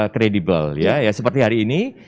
kredibel seperti hari ini